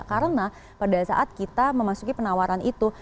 karena pada saat kita memasuki penawaran itu